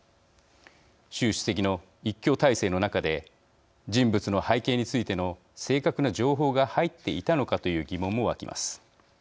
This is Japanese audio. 習主席の一強体制の中で人物の背景についての正確な情報が入っていたのかという疑問も湧きます。